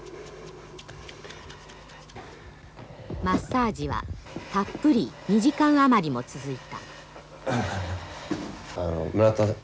マッサージはたっぷり２時間余りも続いた。